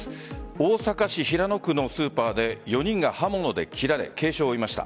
大阪市平野区のスーパーで４人が刃物で切られ軽傷を負いました。